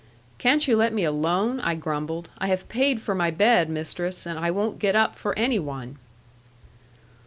'Can't you let me alone?' I grumbled. 'I have paid for my bed, mistress; and I won't get up for any one.'